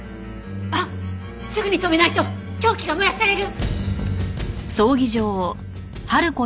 あっすぐに止めないと凶器が燃やされる！